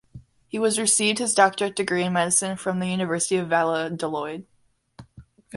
He was received his doctorate degree in medicine from the university of valladolid.